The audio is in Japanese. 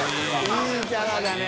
いいキャラだね。